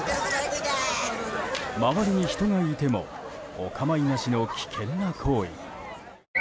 周りに人がいてもお構いなしの危険な行為。